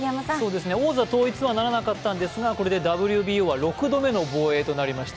王座統一はならなかったんですが、これでＷＢＯは６度目の防衛となりました。